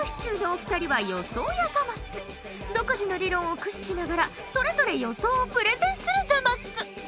独自の理論を駆使しながらそれぞれ予想をプレゼンするザマス。